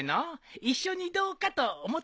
一緒にどうかと思ったんじゃ。